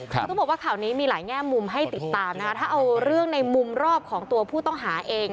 คือต้องบอกว่าข่าวนี้มีหลายแง่มุมให้ติดตามนะคะถ้าเอาเรื่องในมุมรอบของตัวผู้ต้องหาเอง